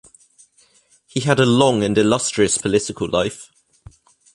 He had a long and illustrious political life.